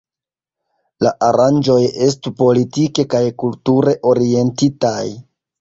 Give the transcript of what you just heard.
La aranĝoj estu politike kaj kulture orientitaj.